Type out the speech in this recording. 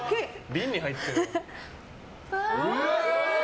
瓶に入ってる。